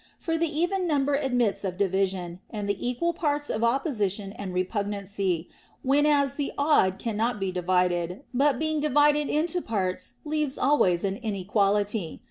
For the even number admits of division, and the equal parts of opposition and repugnancy, whenas the odd cannot be THE ROMAN QUESTIONS. 205 divided, but being divided into parts leaves always an inequality.